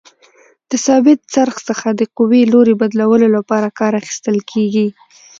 د ثابت څرخ څخه د قوې لوري بدلولو لپاره کار اخیستل کیږي.